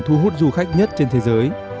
thu hút du khách nhất trên thế giới